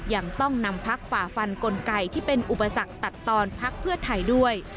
ยังต้องนำพักฝ่าฟันกลไกที่เป็นอุปสรรคตัดตอนพักเพื่อไทยด้วย